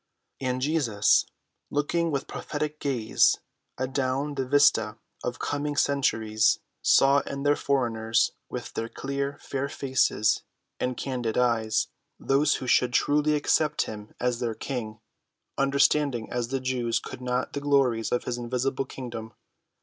And Jesus, looking with prophetic gaze adown the vista of coming centuries, saw in these foreigners, with their clear, fair faces and candid eyes, those who should truly accept him as their king, understanding as the Jews could not the glories of his invisible kingdom.